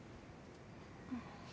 うん。